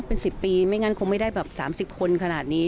เป็น๑๐ปีไม่งั้นคงไม่ได้แบบ๓๐คนขนาดนี้